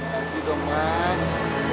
terima kasih dong mas